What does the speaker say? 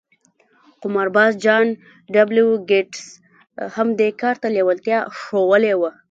قمارباز جان ډبلیو ګیټس هم دې کار ته لېوالتیا ښوولې وه